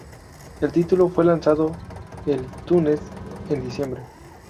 El título fue lanzado el iTunes en diciembre.